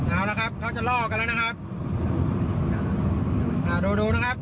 เอาละครับเขาจะลอกกันแล้วนะครับ